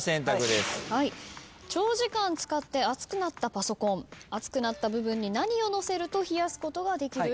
長時間使って熱くなったパソコン熱くなった部分に何を載せると冷やすことができる？